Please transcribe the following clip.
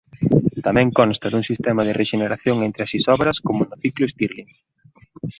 Tamén consta dun sistema de rexeneración entre as isóbaras como no ciclo Stirling.